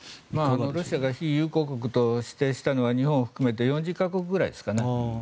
ロシアが非友好国として指定したのは日本を含めて４０か国ぐらいですかね。